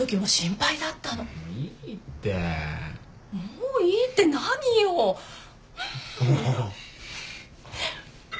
もういいって何よ。ねぇ。